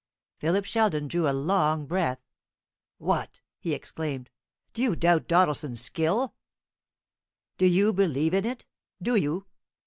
Philip Sheldon drew a long breath. "What!" he exclaimed; "do you doubt Doddleson's skill?" "Do you believe in it? Do you?